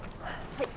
はい。